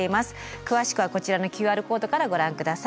詳しくはこちらのＱＲコードからご覧下さい。